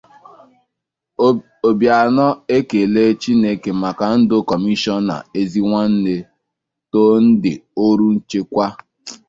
Obianọ Ekelee Chineke Maka Ndụ Kọmishọna Ezenwanne, Tòó Ndị Ọrụ Nchekwa